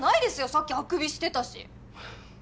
さっきあくびしてたし。